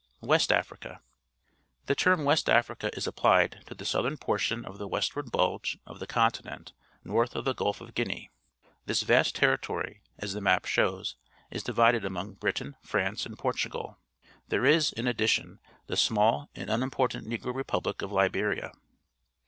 \\^ST AFRICA r ^.^ The term West Africa is applied to the southern portion of the westward bulge of the continent north of the Gtdf of Guinea. This vast territory, as the map shows, is di\ided among Britain, France, and Portugal. There is, in addition, the smaU and unimportant Negro repubUc of Liberia.